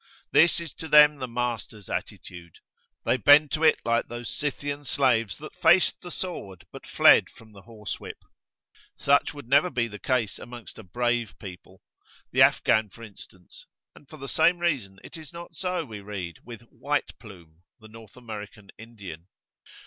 This is to them the master's attitude: they bend to it like those Scythian slaves that faced the sword but fled from the horsewhip. Such would never be the case amongst a brave people, the Afghan for instance; and for the same reason it is not so, we read, with "White Plume," the North American Indian.